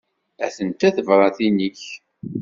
Atent-a tebratin-ik.